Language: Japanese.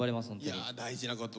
いや大事な言葉。